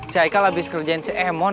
si haikal abis kerjain si emon